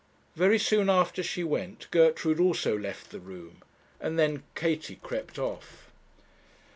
Very soon after she went, Gertrude also left the room, and then Katie crept off.